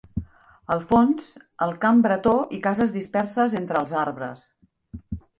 Al fons el camp bretó i cases disperses entre els arbres.